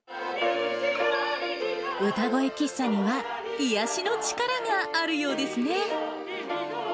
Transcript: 歌声喫茶には癒やしの力があるようですね。